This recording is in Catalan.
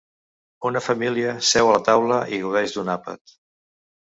Una família seu a taula i gaudeix d'un àpat.